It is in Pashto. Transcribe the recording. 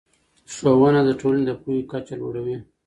ښوونه د ټولنې د پوهې کچه لوړه وي